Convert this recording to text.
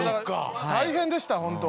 大変でしたホント。